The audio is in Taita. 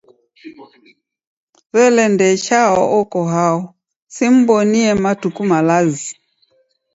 Wele Ndee Chao oko hao? Simw'onie matuku malazi.